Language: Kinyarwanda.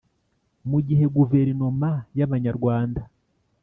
mu gihe guverinoma y' abanyarwanda